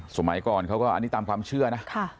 สมัยก่อนเขาก็อันนี้ตามความเชื่อนะ